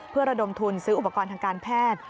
เพื่อระดมทุนซื้ออุปกรณ์ทางการแพทย์